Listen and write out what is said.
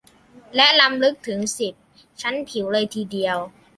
และล้ำลึกถึง สิบ ชั้นผิวเลยทีเดียว